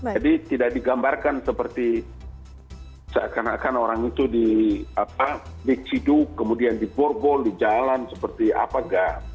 jadi tidak digambarkan seperti seakan akan orang itu di siduk kemudian di borbol di jalan seperti apa enggak